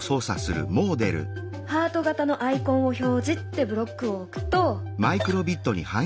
「ハート形のアイコンを表示」ってブロックを置くと。